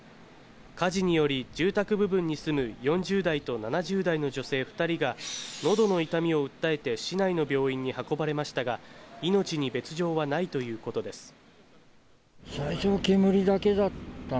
火事により住宅部分に住む４０代と７０代の女性２人がのどの痛みを訴えて市内の病院に運ばれましたが命に別状はないということです。